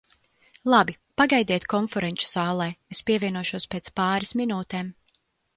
Labi, pagaidiet konferenču zālē, es pievienošos pēc pāris minūtēm.